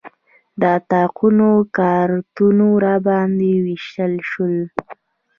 د اتاقونو کارتونه راباندې وویشل شول.